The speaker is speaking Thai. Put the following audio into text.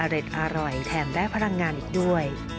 อร่อยแถมได้พลังงานอีกด้วย